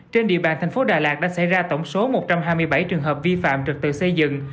trên địa bàn thành phố đà lạt đã xảy ra tổng số một trăm hai mươi bảy trường hợp vi phạm trực tự xây dựng